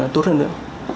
tốt hơn nữa